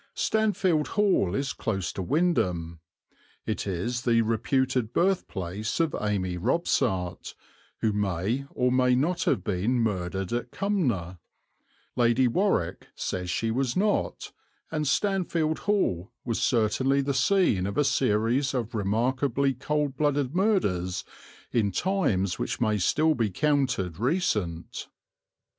Stanfield Hall is close to Wymondham. It is the reputed birthplace of Amy Robsart, who may or may not have been murdered at Cumner Lady Warwick says she was not and Stanfield Hall was certainly the scene of a series of remarkably cold blooded murders in times which may still be counted recent.